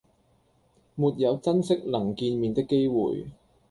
沒有珍惜能見面的機會